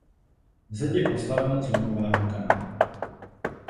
Zeď je postavena z lomového kamene.